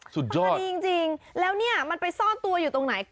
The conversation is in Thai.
สุดยอดดีจริงแล้วเนี่ยมันไปซ่อนตัวอยู่ตรงไหน